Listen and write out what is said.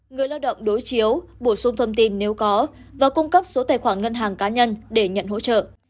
người lao động đối chiếu bổ sung thông tin nếu có và cung cấp số tài khoản ngân hàng cá nhân để nhận hỗ trợ